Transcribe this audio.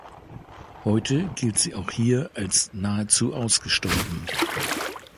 Heute gilt sie auch hier als nahezu ausgestorben.